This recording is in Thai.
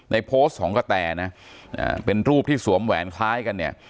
ในโพสต์ของกะแตนะเป็นรูปที่สวมแหวนคล้ายกันเนี่ย